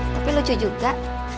tapi lucu juga